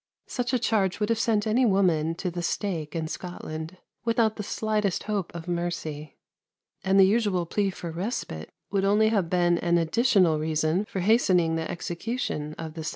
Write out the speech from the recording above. Such a charge would have sent any woman to the stake in Scotland, without the slightest hope of mercy, and the usual plea for respite would only have been an additional reason for hastening the execution of the sentence.